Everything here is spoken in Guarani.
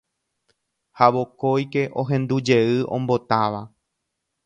Ha vokóike ohendujey ombotáva.